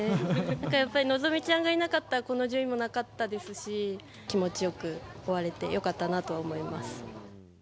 やっぱり希ちゃんがいなかったらこの順位もなかったですし、気持ちよく終われてよかったなと思います。